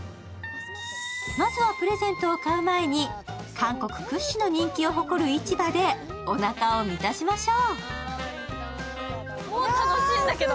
まずはプレゼントを買う前に韓国屈指の人気を誇る市場でおなかを満たしましょう。